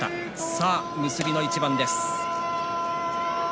さあ結びの一番です。